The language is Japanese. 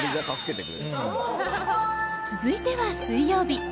続いては水曜日。